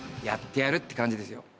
やってやるって感じですよ。